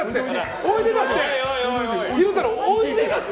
おいでだって。